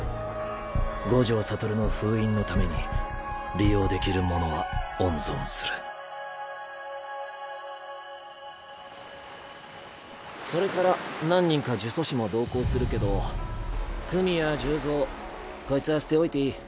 五条悟の封印のために利用できるものは温存するそれから何人か呪詛師も同行するけど組屋鞣造こいつは捨て置いていい。